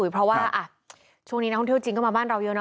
เพราะว่าช่วงนี้นักท่องเที่ยวจีนเข้ามาบ้านเราเยอะนะ